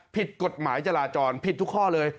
ผิดกฎหมายจราจรผิดทุกข้อเลย